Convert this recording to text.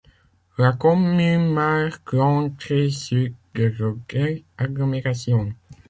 La commune marque l'entrée sud de Rodez Agglomération.